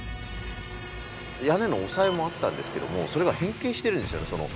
屋根のおさえもあったんですけどもそれが変形してるんですよね